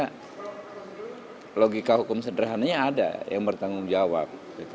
karena logika hukum sederhananya ada yang bertanggung jawab